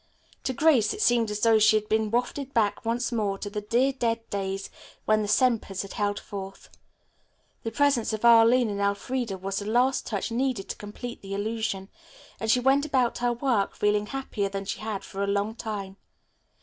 To Grace it seemed as though she had been wafted back once more to the dear dead days when the Sempers had held forth. The presence of Arline and Elfreda was the last touch needed to complete the illusion, and she went about her work feeling happier than she had for a long time.